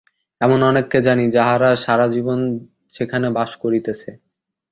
এমন অনেককে জানি, যাহারা সারা জীবন সেখানে বাস করিতেছে।